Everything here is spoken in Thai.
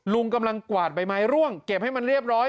ลุงกำลังกวาดใบไม้ร่วงเก็บให้มันเรียบร้อย